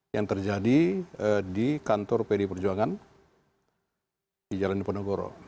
yang terjadi di kantor pdip di jalan diponegoro